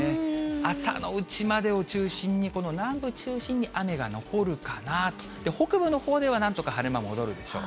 朝のうちまでを中心に、南部中心に、雨が残るかなと、北部のほうではなんとか晴れ間、戻るでしょう。